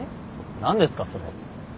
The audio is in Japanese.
何ですかそれ。